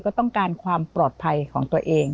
ก็ต้องการความปลอดภัยของตัวเอง